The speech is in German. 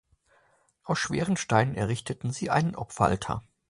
Aus schweren Steinen errichteten sie einen Opferaltar.